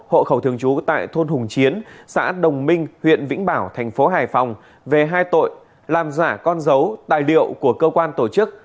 hội khẩu thường chú tại thôn hùng chiến xã đồng minh huyện vĩnh bảo tp hải phòng về hai tội làm giả con dấu tài liệu của cơ quan tổ chức